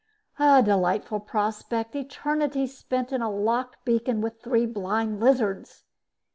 A delightful prospect, eternity spent in a locked beacon with three blind lizards.